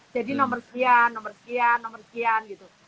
jadi nomor sekian nomor sekian nomor sekian gitu